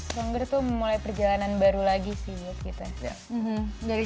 stronger tuh mulai perjalanan baru lagi sih buat kita